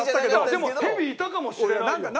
でもヘビいたかもしれないよ。